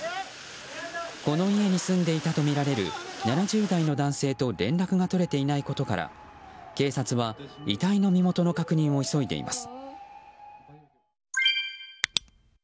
この家に住んでいたとみられる７０代の男性と連絡が取れていないことから警察は遺体の身元の確認を急いでいます。